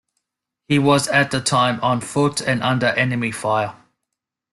He was at the time on foot and under enemy fire.